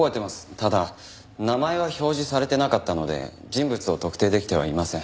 ただ名前は表示されてなかったので人物を特定できてはいません。